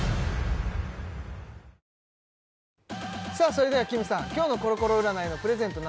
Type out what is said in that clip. それではきむさんきょうのコロコロ占いのプレゼント